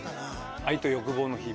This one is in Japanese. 『愛と欲望の日々』。